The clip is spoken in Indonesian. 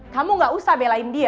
kamu gak usah belain dia